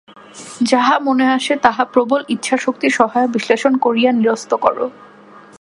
যাহা মনে আসে, তাহা প্রবল ইচ্ছাশক্তি সহায়ে বিশ্লেষণ করিয়া নিরস্ত কর।